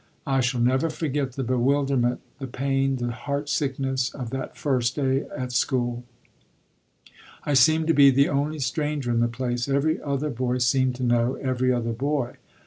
I shall never forget the bewilderment, the pain, the heart sickness, of that first day at school. I seemed to be the only stranger in the place; every other boy seemed to know every other boy.